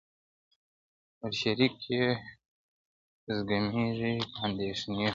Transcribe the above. ور شریک یې په زګېروي په اندېښنې سو!!